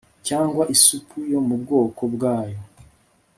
cyangwa isupu yo mu bwoko bwayo